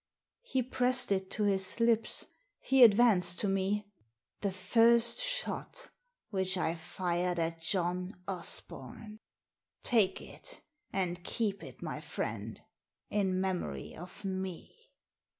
He pressed it to his lips. He advanced to me. " The first shot which I fired at John Osbom. Take it and keep it, my friend, in memory of me."